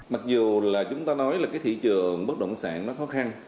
mặc dù là chúng ta nói là cái thị trường bất động sản nó khó khăn